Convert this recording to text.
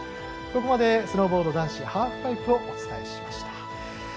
ここまでスノーボード男子ハーフパイプをお伝えしました。